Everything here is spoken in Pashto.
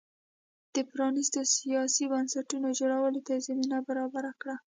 د پرانیستو سیاسي بنسټونو جوړولو ته زمینه برابره کړه.